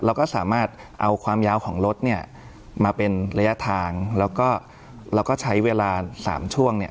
เราก็สามารถเอาความยาวของรถเนี่ยมาเป็นระยะทางแล้วก็เราก็ใช้เวลาสามช่วงเนี่ย